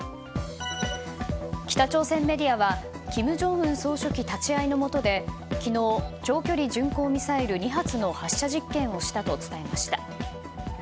北朝鮮メディアは金正恩総書記立ち会いのもとで昨日、長距離巡航ミサイル２発の発射実験をしたと伝えました。